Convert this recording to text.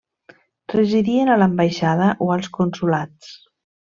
Residien a l'ambaixada o als consolats.